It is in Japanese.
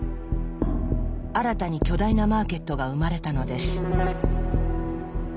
新たに巨大なマーケットが生まれたのです。